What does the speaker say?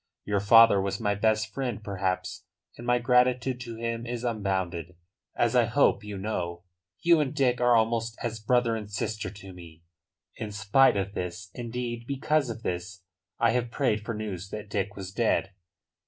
Your father was my best friend, perhaps, and my gratitude to him is unbounded, as I hope you know. You and Dick are almost as brother and sister to me. In spite of this indeed, because of this, I have prayed for news that Dick was dead."